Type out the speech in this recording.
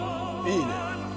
いいね。